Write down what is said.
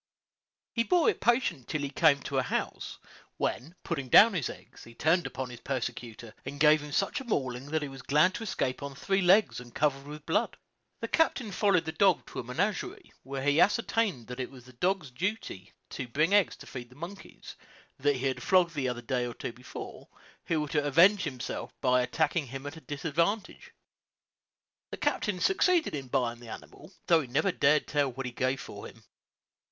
He bore it patiently till he came to a house, when, putting down his eggs, he turned upon his persecutor, and gave him such a mauling that he was glad to escape on three legs, and covered with blood. The captain followed the dog to a menagerie, where he ascertained that it was the dog's daily duty to bring eggs to feed the monkeys; that he had flogged the other a day or two before, who thought to avenge himself by attacking him at a disadvantage. The captain succeeded in buying the animal, though he never dared to tell what he gave for him.